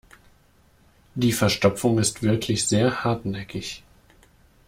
Die Verstopfung ist wirklich sehr hartnäckig.